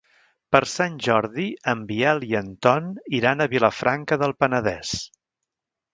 Per Sant Jordi en Biel i en Ton iran a Vilafranca del Penedès.